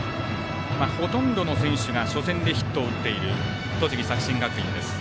ほとんどの選手が初戦でヒットを打っている栃木、作新学院です。